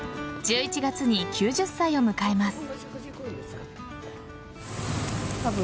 １１月に９０歳を迎えます。